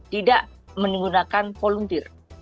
tidak menggunakan volunteer